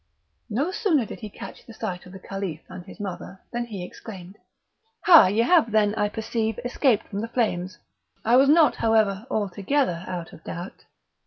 No sooner did he catch sight of the Caliph and his mother than he exclaimed, "Hah! you have then, I perceive, escaped from the flames; I was not, however, altogether out of doubt."